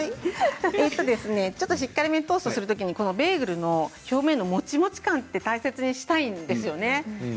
しっかりめにトーストするときにベーグルの表面のもちもち感を大切にしたいんですね。